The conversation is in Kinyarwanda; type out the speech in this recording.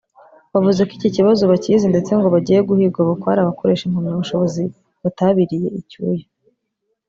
wavuze ko iki kibazo bakizi ndetse ngo bagiye guhiga bukware abakoresha impamyabushobozi batabiriye icyuya